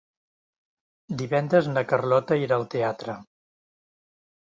Divendres na Carlota irà al teatre.